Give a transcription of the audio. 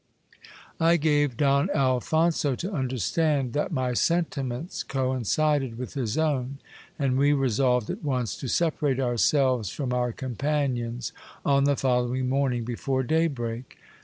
I gave Don Alphonso to understand that my sentiments coincided with his own, and we resolved at once to separate ourselves from our companions on the following morning before daybreak.